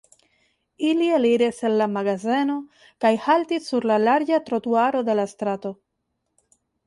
Ili eliris el la magazeno kaj haltis sur la larĝa trotuaro de la strato.